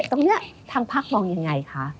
ตรงนี้ทางภาคมองอย่างไรคะ